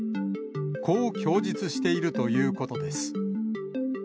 こう供述しているということです。